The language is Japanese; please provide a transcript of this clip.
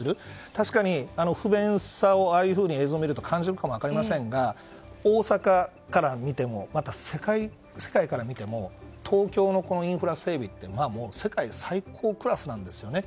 確かに、ああいう映像を見ると不便さを感じるかもしれませんが大阪から見てもまたは、世界から見ても東京のインフラ整備って世界最高クラスなんですよね。